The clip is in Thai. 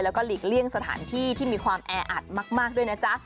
แล้วก็หลีกเลี่ยงสถานที่ที่มีความแออัดมากด้วยนะจ๊ะ